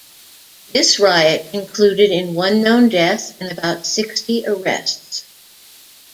This riot concluded in one known death and about sixty arrests.